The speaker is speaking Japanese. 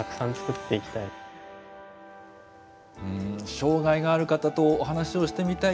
障害がある方とお話をしてみたい。